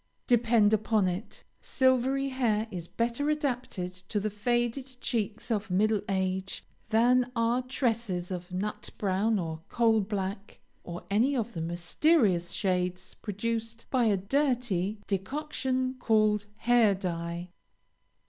Depend upon it, silvery hair is better adapted to the faded cheeks of middle age, than are tresses of nut brown or coal black, or any of the mysterious shades produced by a dirty decoction called Hair dye.